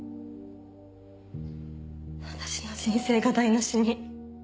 私の人生が台無しに。